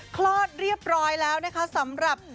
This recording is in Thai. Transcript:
เคลือปลอยแล้วนะคะสำหรับ